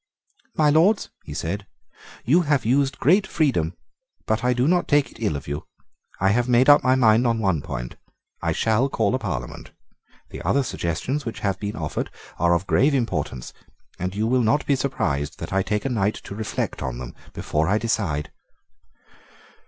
"My Lords," he said, "you have used great freedom: but I do not take it ill of you. I have made up my mind on one point. I shall call a Parliament. The other suggestions which have been offered are of grave importance; and you will not be surprised that I take a night to reflect on them before I decide."